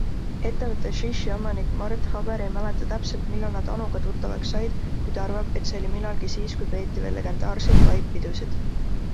Ettevõtte ShiShi omanik Mart Haber ei mäleta täpselt, millal nad Anuga tuttavaks said, kuid arvab, et see oli millalgi siis, kui peeti veel legendaarseid Vibe-pidusid.